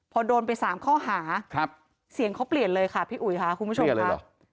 พอโดนไป๓ข้อหาเสียงเขาเปลี่ยนเลยค่ะพี่อุ๋ยค่ะคุณผู้ชมค่ะ